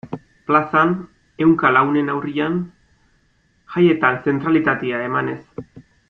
Plazan, ehunka lagunen aurrean, jaietan zentralitatea emanez.